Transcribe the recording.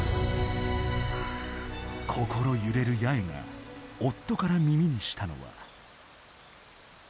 心揺れる八重が夫から耳にしたのは。